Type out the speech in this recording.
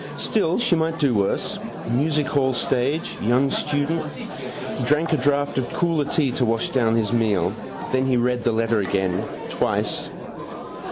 Still, she might do worse. Music hall stage. Young student. He drank a draught of cooler tea to wash down his meal. Then he read the letter again: twice.